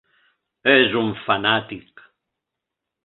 És un fanàtic.